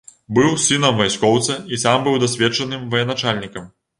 Быў сынам вайскоўца, і сам быў дасведчаным ваеначальнікам.